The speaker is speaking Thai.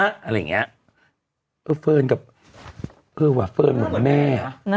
อะไรอย่างเงี้ยเออเฟิร์นกับเออว่ะเฟิร์นเหมือนกับแม่